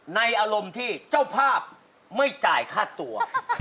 อารมณ์ที่เจ้าภาพไม่จ่ายค่าตัว